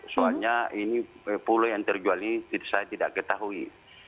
soalnya ini pulau yang terjual ini saya tidak ketahui